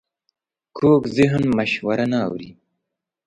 کوږ ذهن مشوره نه اوري